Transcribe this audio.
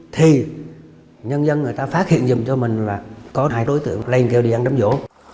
thì nhân dân người ta phát hiện dùm cho mình là có hai đối tượng lên kêu đi ăn đấm vỗ